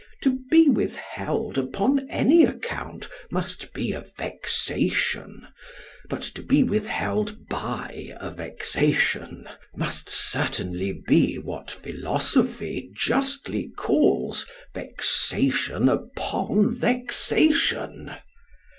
To be withheld upon any account, must be a vexation; but to be withheld by a vexation——must certainly be, what philosophy justly calls VEXATION upon VEXATION.